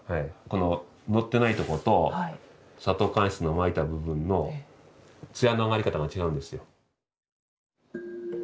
こののってない所と砂糖乾漆のまいた部分の艶のあがり方が違うんですよ。